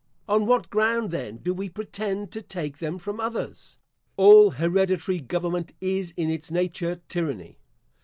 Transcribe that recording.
On what ground, then, do we pretend to take them from others? All hereditary government is in its nature tyranny.